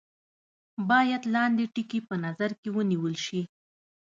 باید لاندې ټکي په نظر کې ونیول شي.